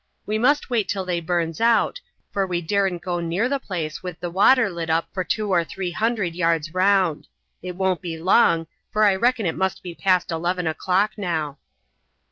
We must wait till they burns out, for we daren't go near the place with the water lit up for two or three hundred yards round. It won't be long, for I reckon it must be past eleven o'clock now."